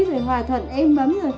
rồi hòa thận êm ấm